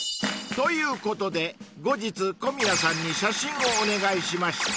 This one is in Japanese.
［ということで後日小宮さんに写真をお願いしました］